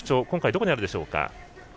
今回、どこにあるでしょうか。